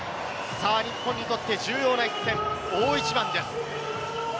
日本にとっては重要な一戦、大一番です。